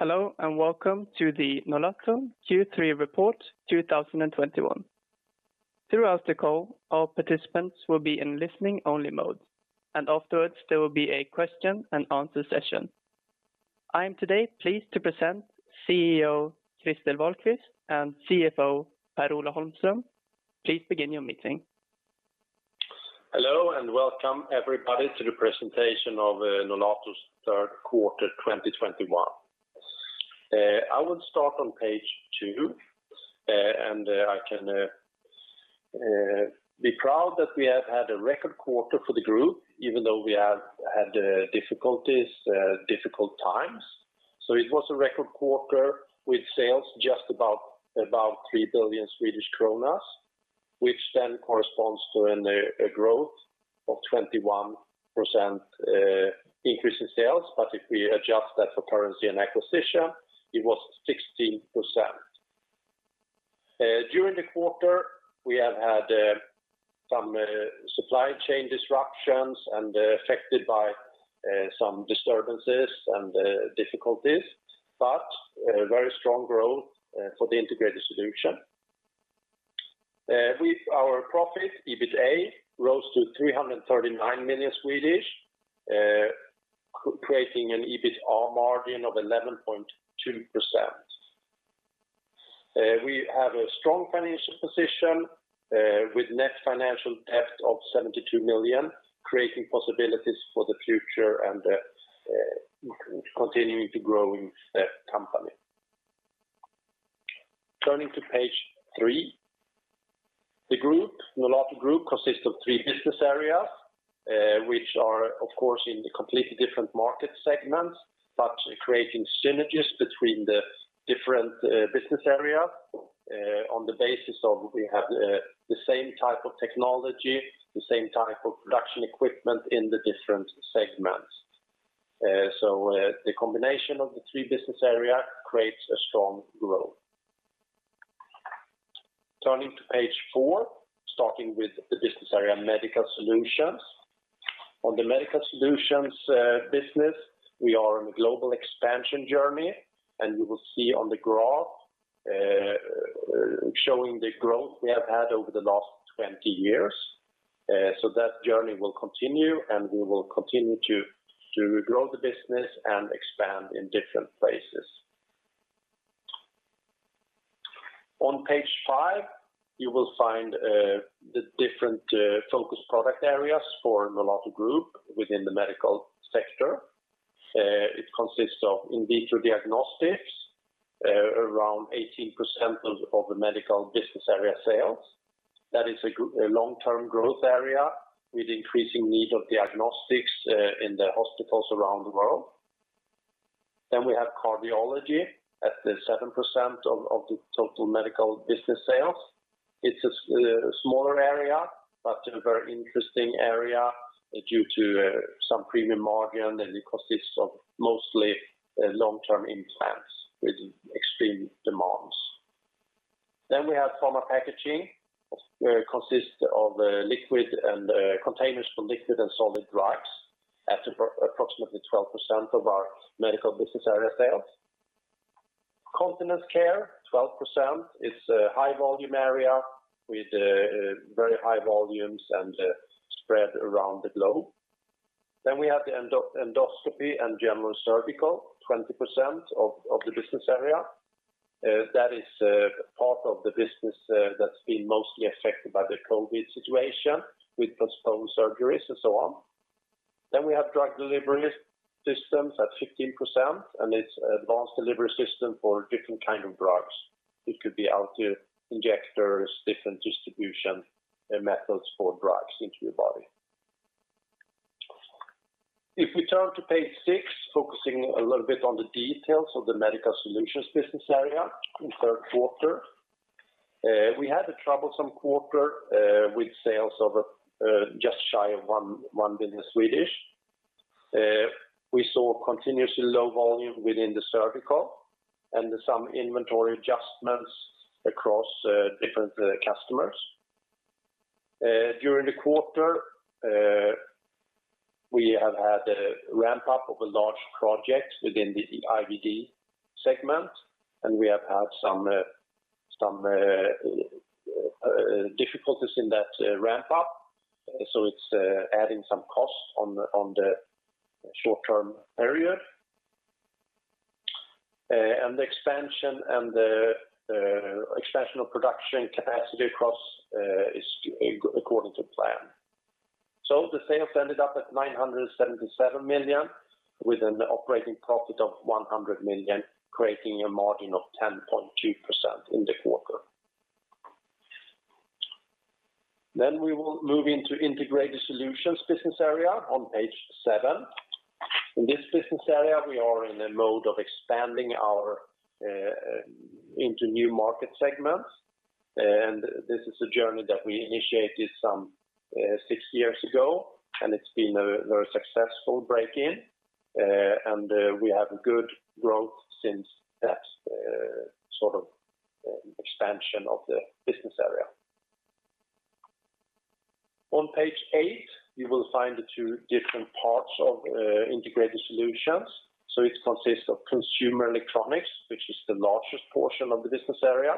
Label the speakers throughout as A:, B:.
A: Hello, and welcome to the Nolato Q3 Report 2021. Throughout the call, all participants will be in listen-only mode, and afterwards there will be a question and answer session. I am today pleased to present CEO Christer Wahlquist and CFO Per-Ola Holmström. Please begin your meeting.
B: Hello, and welcome everybody to the presentation of Nolato's third quarter 2021. I will start on page two, and I can be proud that we have had a record quarter for the group even though we have had difficulties, difficult times. It was a record quarter with sales just about 3 billion Swedish kronor, which then corresponds to a growth of 21% increase in sales. If we adjust that for currency and acquisition, it was 16%. During the quarter, we have had some supply chain disruptions and affected by some disturbances and difficulties, but a very strong growth for the Integrated Solutions. With our profit, EBITA rose to 339 million, creating an EBITA margin of 11.2%. We have a strong financial position with net financial debt of 72 million, creating possibilities for the future and continuing to growing the company. Turning to page three. The Nolato Group consists of three business areas, which are of course in the completely different market segments, but creating synergies between the different business areas on the basis of we have the same type of technology, the same type of production equipment in the different segments. The combination of the three business area creates a strong growth. Turning to page four, starting with the business area, Medical Solutions. On the Medical Solutions business, we are in a global expansion journey, and you will see on the graph showing the growth we have had over the last 20 years. That journey will continue, and we will continue to grow the business and expand in different places. On page five, you will find the different focus product areas for Nolato Group within the medical sector. It consists of in vitro diagnostics around 18% of the medical business area sales. That is a long-term growth area with increasing need of diagnostics in the hospitals around the world. We have cardiology at 7% of the total medical business sales. It's a smaller area, but a very interesting area due to some premium margin, and it consists of mostly long-term implants with extreme demands. We have Pharma Packaging, consists of the liquid and containers for liquid and solid drugs at approximately 12% of our medical business area sales. Continence care, 12%, is a high volume area with very high volumes and spread around the globe. We have the endoscopy and general surgical, 20% of the business area. That is part of the business that's been mostly affected by the COVID situation with postponed surgeries and so on. We have drug delivery systems at 15%, and it's advanced delivery system for different kind of drugs. It could be auto injectors, different distribution methods for drugs into your body. If we turn to page six, focusing a little bit on the details of the Medical Solutions business area in third quarter. We had a troublesome quarter with sales of just shy of 1 billion. We saw continuously low volume within the surgical and some inventory adjustments across different customers. During the quarter, we have had a ramp up of a large project within the IVD segment, and we have had some difficulties in that ramp up. It's adding some costs on the short-term period. The expansion of production capacity is according to plan. The sales ended up at 977 million with an operating profit of 100 million, creating a margin of 10.2% in the quarter. We will move into Integrated Solutions business area on page seven. In this business area, we are in a mode of expanding into new market segments. This is a journey that we initiated some six years ago, and it's been a very successful break-in. We have good growth since that sort of expansion of the business area. On page eight, you will find the two different parts of Integrated Solutions. It consists of consumer electronics, which is the largest portion of the business area,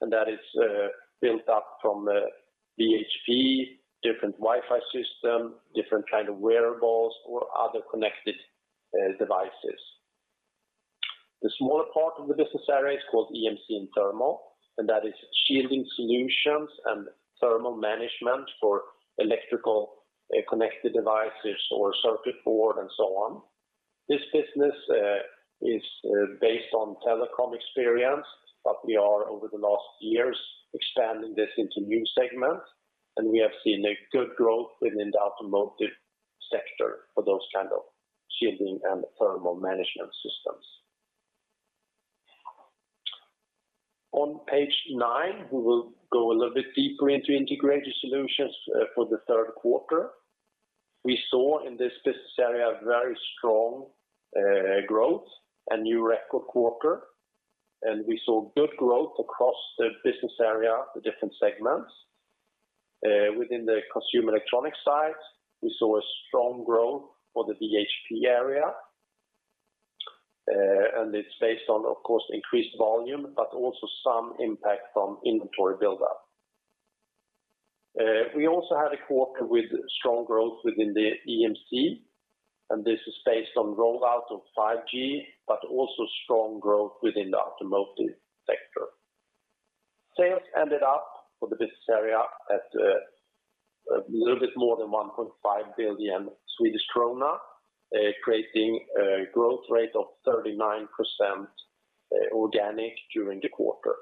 B: and that is built up from VHP, different Wi-Fi system, different kind of wearables or other connected devices. The smaller part of the business area is called EMC and Thermal, and that is shielding solutions and thermal management for electrical and connected devices or circuit board and so on. This business is based on telecom experience, but we are over the last years expanding this into new segments, and we have seen a good growth within the automotive sector for those kind of shielding and thermal management systems. On page nine, we will go a little bit deeper into Integrated Solutions for the third quarter. We saw in this business area a very strong growth, a new record quarter, and we saw good growth across the business area, the different segments. Within the consumer electronics side, we saw a strong growth for the VHP area. It's based on, of course, increased volume, but also some impact from inventory build-up. We also had a quarter with strong growth within the EMC, and this is based on rollout of 5G, but also strong growth within the automotive sector. Sales ended up for the business area at a little bit more than 1.5 billion Swedish krona, creating a growth rate of 39% organic during the quarter.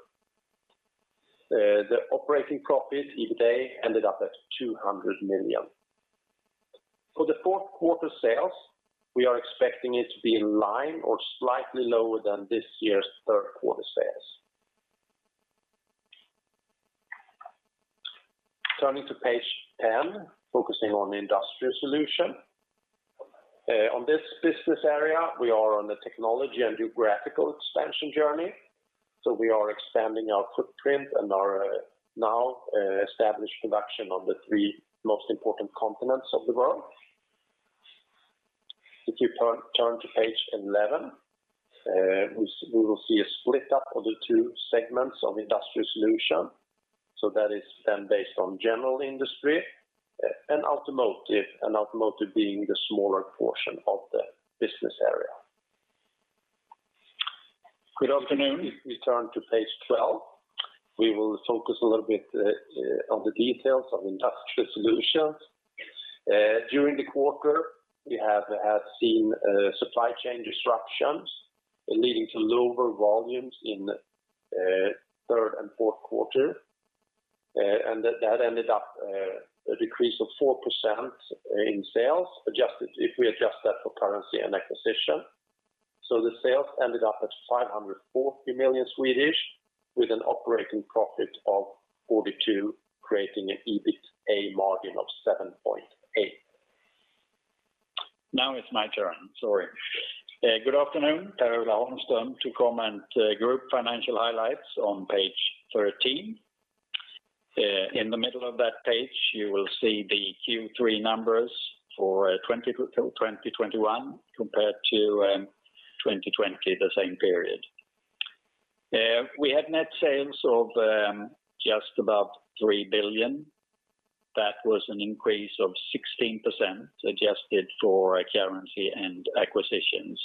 B: The operating profit, EBITA, ended up at 200 million. For the fourth quarter sales, we are expecting it to be in line or slightly lower than this year's third quarter sales. Turning to page ten, focusing on Industrial Solutions. On this business area, we are on the technology and geographical expansion journey. We are expanding our footprint and are now established production on the three most important continents of the world. If you turn to page eleven, we will see a split up of the two segments of Industrial Solutions. That is then based on general industry and automotive, and automotive being the smaller portion of the business area.
C: Good afternoon.
B: If we turn to page 12, we will focus a little bit on the details of Industrial Solutions. During the quarter, we have seen supply chain disruptions leading to lower volumes in third and fourth quarter. That ended up a decrease of 4% in sales, adjusted, if we adjust that for currency and acquisition. The sales ended up at 540 million, with an operating profit of 42 million, creating an EBITA margin of 7.8%.
C: Now it's my turn. Good afternoon. Per-Ola Holmström to comment group financial highlights on page 13. In the middle of that page, you will see the Q3 numbers for 2021 compared to 2020, the same period. We had net sales of just about 3 billion. That was an increase of 16% adjusted for currency and acquisitions.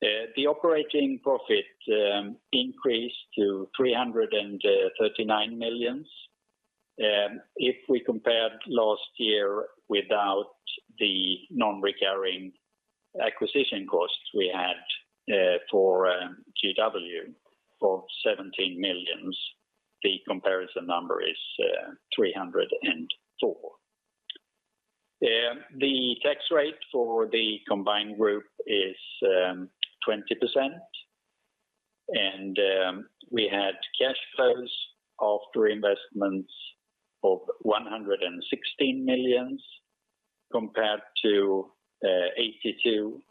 C: The operating profit increased to 339 million. If we compare last year without the non-recurring acquisition costs we had for GW of 17 million, the comparison number is 304 million. The tax rate for the combined group is 20%. We had cash flows after investments of 116 million compared to 82 million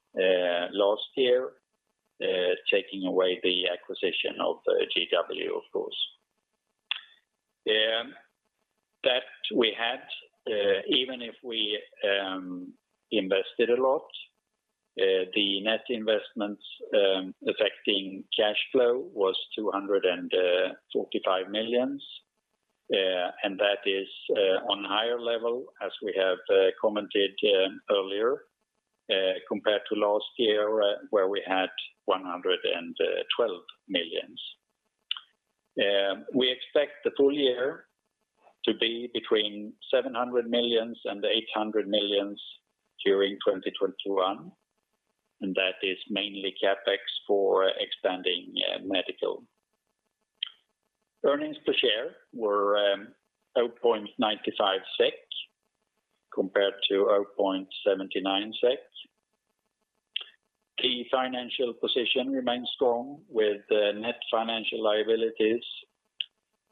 C: last year, taking away the acquisition of GW, of course. That we had, even if we invested a lot, the net investments affecting cash flow was 245 million. That is on higher level, as we have commented earlier, compared to last year where we had 112 million. We expect the full year to be between 700 million and 800 million during 2021, and that is mainly CapEx for expanding medical. Earnings per share were 0.95 SEK compared to 0.79 SEK. The financial position remains strong with net financial liabilities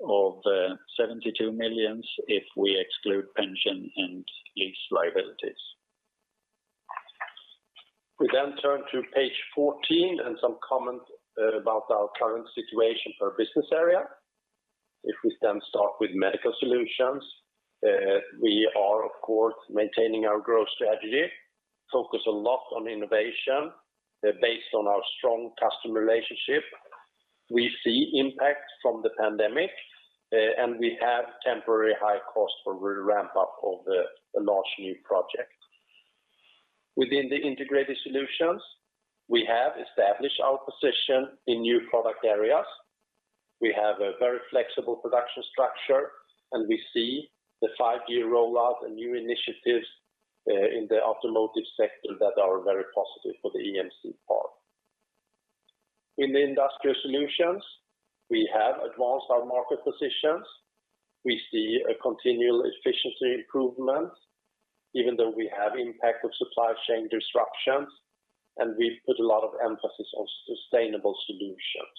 C: of 72 million if we exclude pension and lease liabilities. We then turn to page 14 and some comments about our current situation per business area. If we then start with Medical Solutions, we are of course maintaining our growth strategy, focus a lot on innovation, based on our strong customer relationship. We see impact from the pandemic, and we have temporary high costs for re-ramp up of a large new project. Within the Integrated Solutions, we have established our position in new product areas. We have a very flexible production structure, and we see the five-year rollout and new initiatives in the automotive sector that are very positive for the EMC part. In the Industrial Solutions, we have advanced our market positions. We see a continual efficiency improvement, even though we have impact of supply chain disruptions, and we've put a lot of emphasis on sustainable solutions.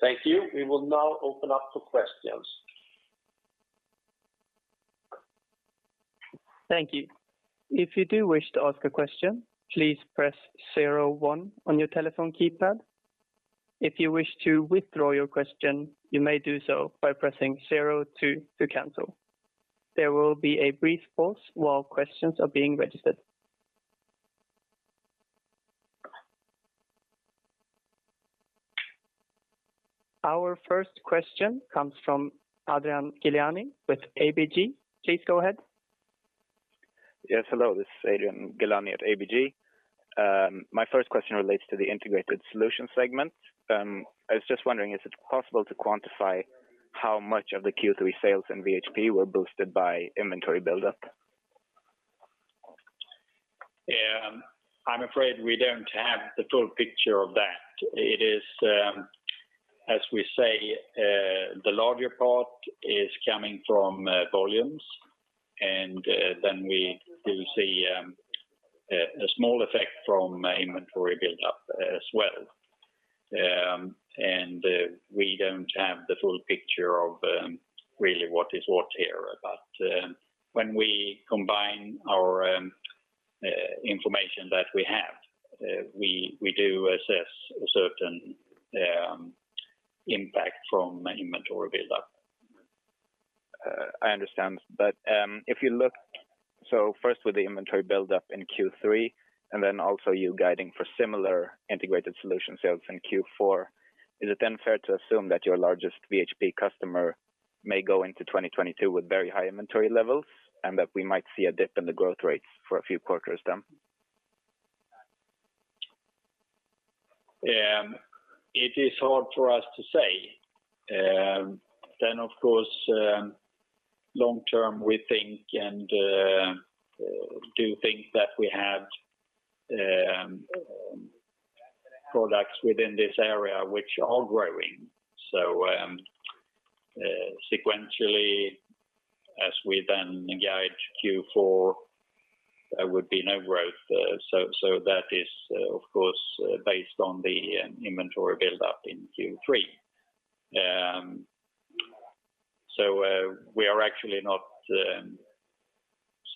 C: Thank you. We will now open up to questions.
A: Our first question comes from Adrian Gilani with ABG. Please go ahead.
D: Yes. Hello. This is Adrian Gilani at ABG. My first question relates to the Integrated Solutions segment. I was just wondering, is it possible to quantify how much of the Q3 sales in VHP were boosted by inventory buildup?
B: I'm afraid we don't have the full picture of that. It is, as we say, the larger part is coming from volumes, and then we do see a small effect from inventory buildup as well. We don't have the full picture of really what is what here. When we combine our information that we have, we do assess a certain impact from inventory buildup.
D: I understand. If you look, so first with the inventory buildup in Q3, and then also you guiding for similar Integrated Solutions sales in Q4, is it then fair to assume that your largest VHP customer may go into 2022 with very high inventory levels, and that we might see a dip in the growth rates for a few quarters then?
B: It is hard for us to say. Of course, long term, we think that we have products within this area which are growing. Sequentially, as we then guide Q4, there would be no growth there. That is, of course, based on the inventory buildup in Q3. We are actually not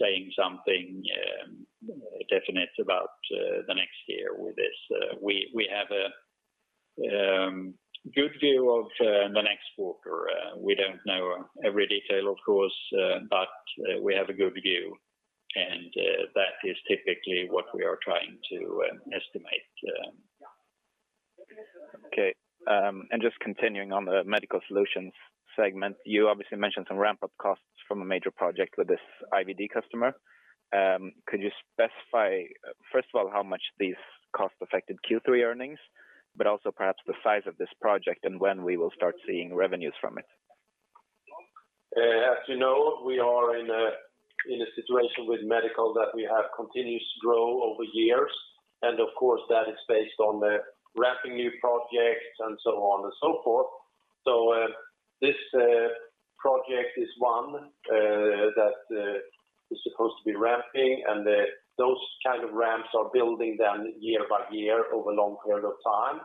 B: saying something definite about the next year with this. We have a good view of the next quarter. We don't know every detail, of course, but we have a good view, and that is typically what we are trying to estimate.
D: Just continuing on the Medical Solutions segment, you obviously mentioned some ramp-up costs from a major project with this IVD customer. Could you specify, first of all, how much these costs affected Q3 earnings, but also perhaps the size of this project and when we will start seeing revenues from it?
B: As you know, we are in a situation with medical that we have continuous growth over years, and of course, that is based on the ramping new projects and so on and so forth. This project is one that is supposed to be ramping, and those kind of ramps are building then year by year over a long period of time.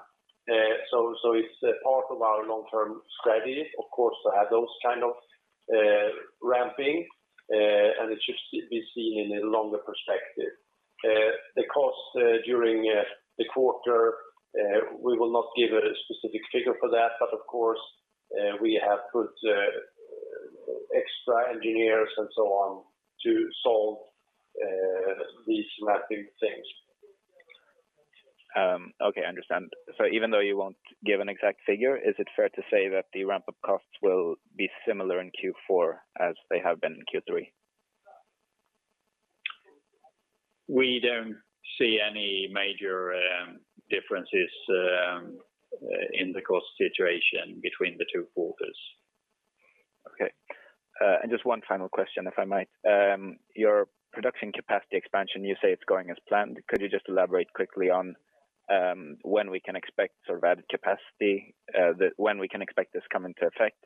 B: It's a part of our long-term strategy, of course, to have those kind of ramping, and it should be seen in a longer perspective. The cost during the quarter we will not give a specific figure for that, but of course, we have put extra engineers and so on to solve these ramping things.
D: Okay. I understand. Even though you won't give an exact figure, is it fair to say that the ramp-up costs will be similar in Q4 as they have been in Q3?
B: We don't see any major differences in the cost situation between the two quarters.
D: Okay. Just one final question, if I might. Your production capacity expansion, you say it's going as planned. Could you just elaborate quickly on when we can expect sort of added capacity to come into effect,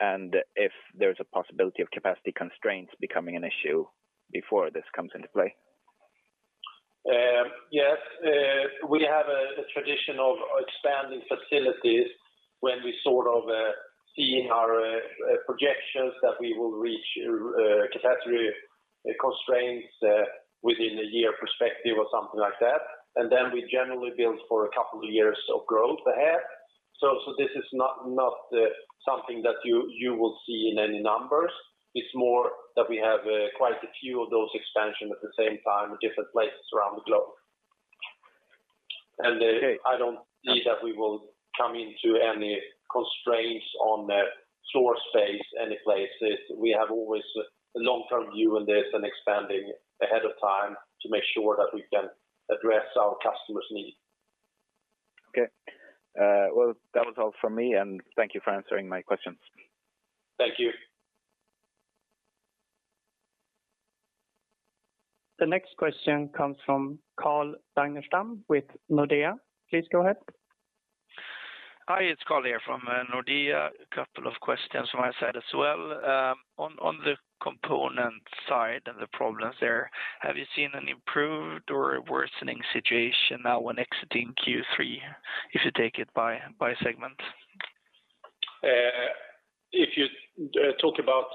D: and if there's a possibility of capacity constraints becoming an issue before this comes into play?
B: Yes. We have a tradition of expanding facilities when we sort of see in our projections that we will reach capacity constraints within a year perspective or something like that. Then we generally build for a couple of years of growth ahead. This is not something that you will see in any numbers. It's more that we have quite a few of those expansion at the same time in different places around the globe. I don't see that we will come into any constraints on the floor space any places. We have always a long-term view on this and expanding ahead of time to make sure that we can address our customers' need.
D: Okay. Well, that was all from me, and thank you for answering my questions.
B: Thank you.
A: The next question comes from Carl Ragnerstam with Nordea. Please go ahead.
E: Hi, it's Carl here from Nordea. A couple of questions from my side as well. On the component side and the problems there, have you seen an improved or a worsening situation now when exiting Q3, if you take it by segment?
B: If you talk about.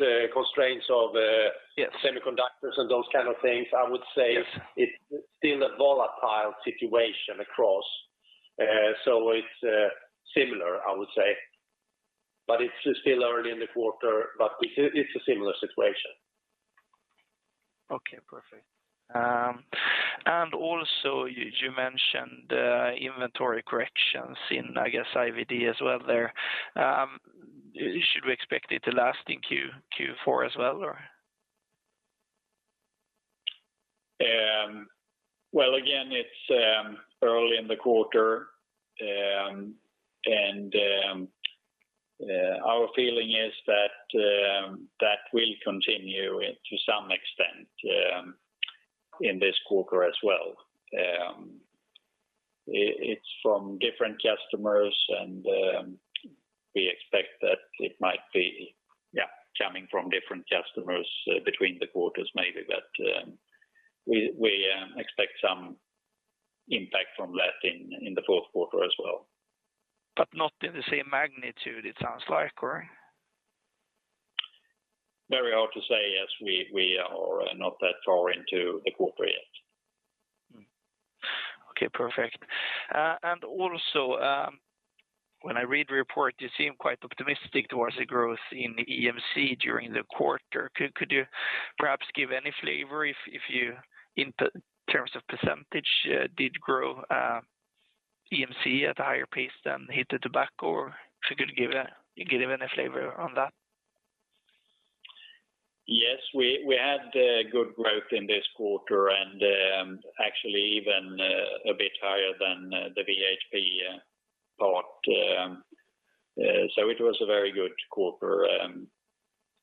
E: Yes
B: Semiconductors and those kind of things, I would say.
E: Yes
B: It's still a volatile situation across. It's similar, I would say. It's still early in the quarter, but it's a similar situation.
E: Okay. Perfect. Also, you mentioned inventory corrections in, I guess, IVD as well there. Should we expect it to last in Q4 as well or?
B: Well, again, it's early in the quarter. Our feeling is that it will continue to some extent in this quarter as well. It's from different customers and we expect that it might be, yeah, coming from different customers between the quarters maybe. We expect some impact from that in the fourth quarter as well.
E: Not in the same magnitude it sounds like, correct?
B: Very hard to say as we are not that far into the quarter yet.
E: Okay. Perfect. When I read the report, you seem quite optimistic towards the growth in EMC during the quarter. Could you perhaps give any flavor if, in terms of percentage, EMC did grow at a higher pace than heated tobacco? If you could give any flavor on that.
B: Yes, we had good growth in this quarter and actually even a bit higher than the VHP part. It was a very good quarter.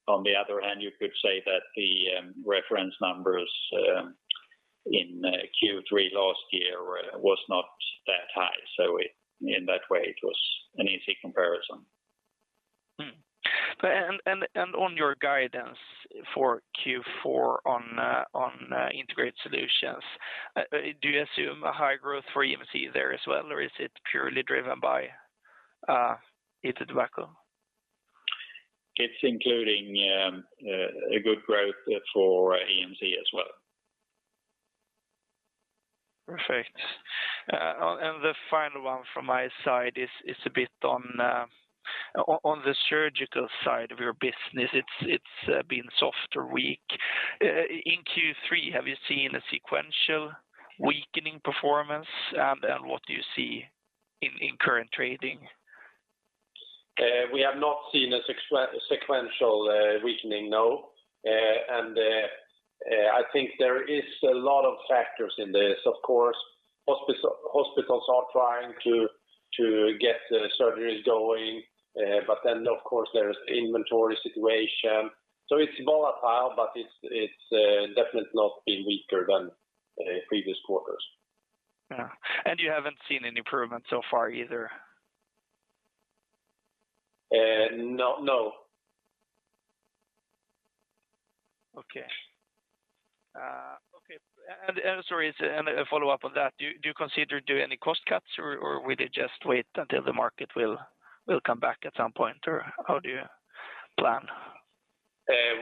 B: On the other hand, you could say that the reference numbers in Q3 last year was not that high. In that way it was an easy comparison.
E: On your guidance for Q4 on Integrated Solutions, do you assume high growth for EMC there as well, or is it purely driven by heated tobacco?
B: It's including a good growth for EMC as well.
E: Perfect. The final one from my side is a bit on the surgical side of your business. It's been softer week in Q3, have you seen a sequential weakening performance? Then what do you see in current trading?
B: We have not seen a sequential weakening, no. I think there is a lot of factors in this. Of course, hospitals are trying to get the surgeries going. Of course, there's inventory situation. It's volatile, but it's definitely not been weaker than previous quarters.
E: Yeah. You haven't seen any improvement so far either?
B: No, no.
E: Okay. Okay. Sorry, it's a follow-up on that. Do you consider doing any cost cuts or will you just wait until the market will come back at some point, or how do you plan?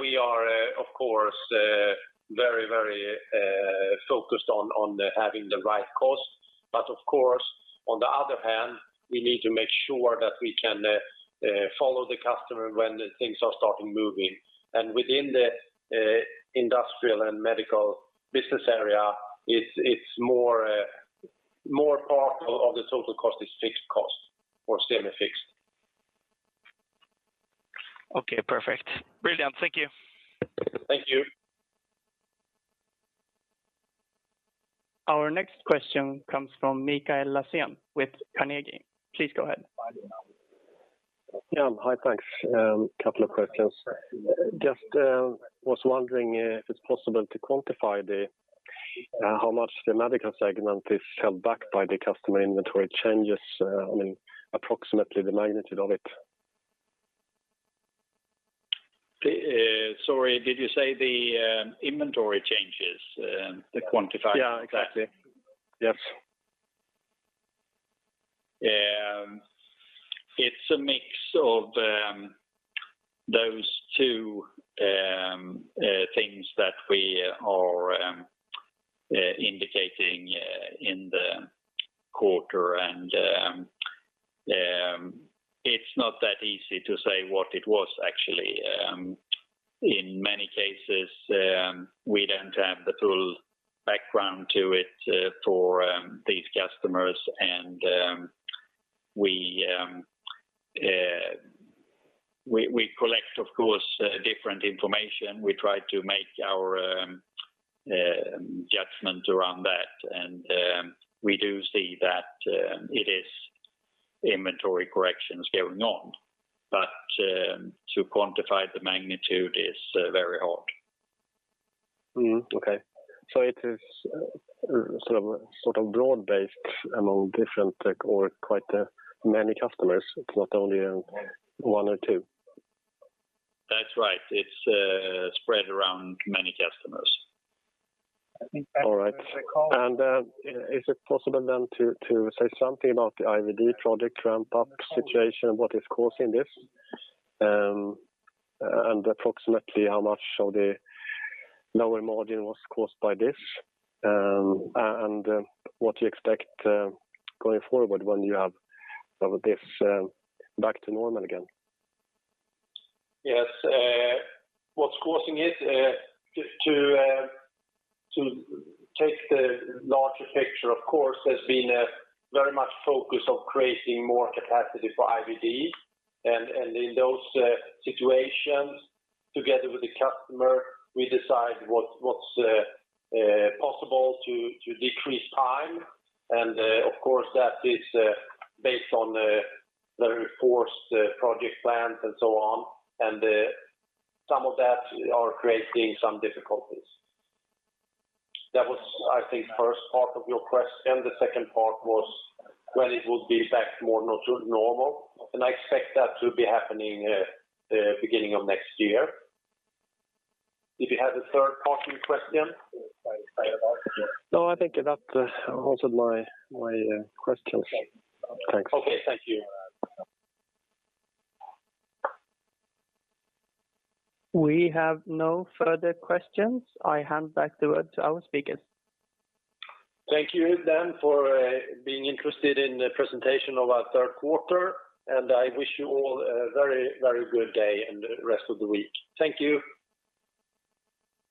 B: We are of course very focused on having the right cost. Of course, on the other hand, we need to make sure that we can follow the customer when the things are starting moving. Within the industrial and medical business area, it's more part of the total cost is fixed cost or semi-fixed.
E: Okay. Perfect. Brilliant. Thank you.
B: Thank you.
A: Our next question comes from Mikael Laséen with Carnegie. Please go ahead.
F: Hi, thanks. Couple of questions. Just was wondering if it's possible to quantify how much the medical segment is held back by the customer inventory changes, I mean, approximately the magnitude of it.
B: Sorry, did you say the inventory changes?
F: Yeah, exactly. Yes.
B: It's a mix of those two things that we are indicating in the quarter and it's not that easy to say what it was actually. In many cases, we don't have the full background to it for these customers and we collect, of course, different information. We try to make our judgment around that. We do see that it is inventory corrections going on. To quantify the magnitude is very hard.
F: Mm-hmm. Okay. It is sort of broad-based among different tech or quite many customers, not only one or two?
B: That's right. It's spread around many customers.
F: All right. Is it possible then to say something about the IVD product ramp-up situation, what is causing this? Approximately how much of the lower margin was caused by this? What do you expect going forward when you have some of this back to normal again?
B: Yes. What's causing it, just to take the larger picture, of course, has been very much focused on creating more capacity for IVD. In those situations, together with the customer, we decide what's possible to decrease time. Of course, that is based on the enforced project plans and so on. Some of that are creating some difficulties. That was, I think, first part of your question. The second part was when it will be back to more normal. I expect that to be happening the beginning of next year. Did you have a third part to your question?
F: No, I think that answered my questions. Thanks.
B: Okay. Thank you.
A: We have no further questions. I hand back the word to our speakers.
B: Thank you for being interested in the presentation of our third quarter. I wish you all a very, very good day and the rest of the week. Thank you.